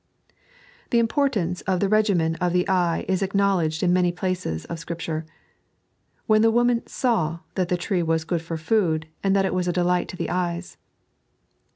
The importance of the reffim&n of the eye is acknowledged in many places of Scripture :" When the woman taw that the tree was good for food, and that it was a delight to the eyes"